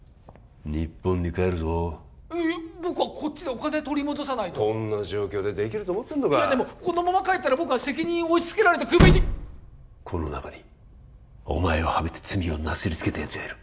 日本に帰るぞいや僕はこっちでお金取り戻さないとこんな状況でできると思ってんのかいやでもこのまま帰ったら僕は責任を押しつけられてクビにこの中にお前をハメて罪をなすりつけたやつがいる